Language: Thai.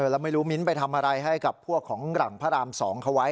แล้วไม่รู้มิ้นไปทำอะไรให้กับพวกของหลังพระราม๒เขาไว้